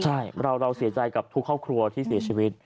ใช่เราเสียใจกับทุกครอบครัวที่เสียชีวิต